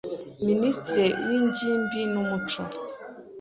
Minisitiri w’Ingimbi n’umuco,